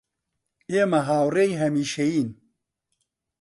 ئێمە هاوڕێی هەمیشەیین